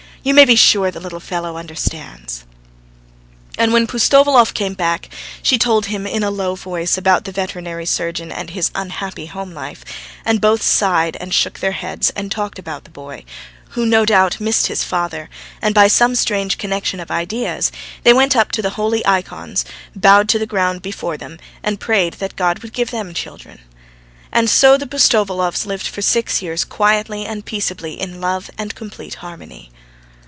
You may be sure the little fellow understands." And when Pustovalov came back, she told him in a low voice about the veterinary surgeon and his unhappy home life, and both sighed and shook their heads and talked about the boy, who, no doubt, missed his father, and by some strange connection of ideas, they went up to the holy ikons, bowed to the ground before them and prayed that God would give them children. And so the Pustovalovs lived for six years quietly and peaceably in love and complete harmony.